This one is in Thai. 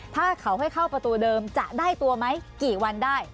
ถ้าเขาให้เข้าประตูเดิมจะได้ตัวไหมกี่วันได้